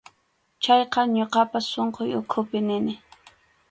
Chayqa ñuqapas sunquy ukhupi nini.